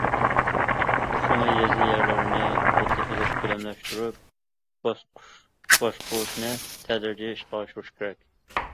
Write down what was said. شۇڭا يېزا يەرلىرىنى ھۆددە ئېلىپ كۆلەملەشتۈرۈپ باشقۇرۇشنى تەدرىجىي ئىشقا ئاشۇرۇش كېرەك.